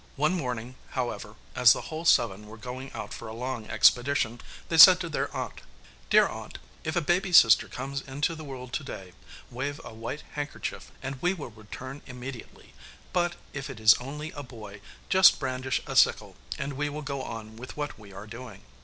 One morning, however, as the whole seven were going out for a long expedition, they said to their aunt, 'Dear aunt, if a baby sister comes into the world to day, wave a white handkerchief, and we will return immediately; but if it is only a boy, just brandish a sickle, and we will go on with what we are doing.